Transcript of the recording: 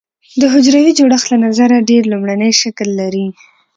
د حجروي جوړښت له نظره ډېر لومړنی شکل لري.